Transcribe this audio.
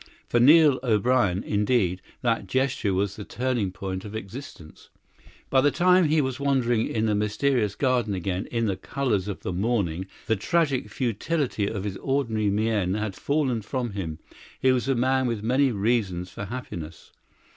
For Neil O'Brien, indeed, that gesture was the turning point of existence. By the time he was wandering in the mysterious garden again in the colours of the morning the tragic futility of his ordinary mien had fallen from him; he was a man with many reasons for happiness.